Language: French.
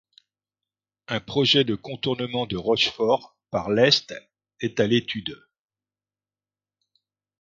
Un projet de contournement de Rochefort, par l'est, est à l'étude.